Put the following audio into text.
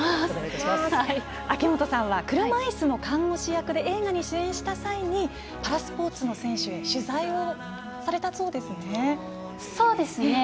秋元さんは、車いすの看護師役で映画に出演した際にパラスポーツの選手へ取材をされたそうですね。